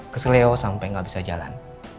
keseleo sampai gak bisa jalan